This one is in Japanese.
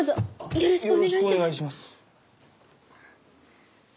よろしくお願いします。